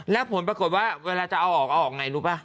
แล้วผลปรากฏว่าเวลาจะเอาออกเอาออกไงรู้ป่ะ